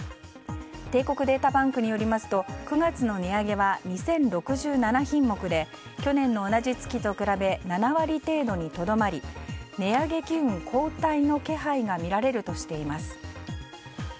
帝国データバンクによりますと９月の値上げは２０６７品目で去年の同じ月に比べ７割程度にとどまり値上げ機運後退の気配が見られるとしています。